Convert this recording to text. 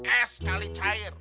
eh sekali cair